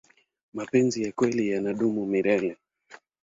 mapenzi ya kweli yanadumu milele